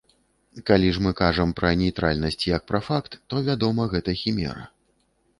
Калі ж мы кажам пра нейтральнасць як пра факт, то, вядома, гэта хімера.